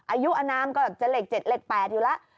อายุอนามก็จะเหล็ก๗เหล็ก๘อยู่แล้ว